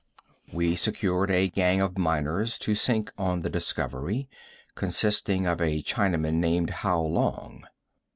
We secured a gang of miners to sink on the discovery, consisting of a Chinaman named How Long.